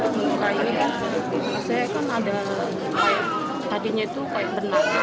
saya kan ada tadinya itu kayak benar benar